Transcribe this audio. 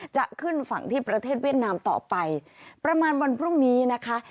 จะขึ้นฝั่งที่ประเทศเวียดนามต่อไปประมาณวันพรุ่งนี้นะคะ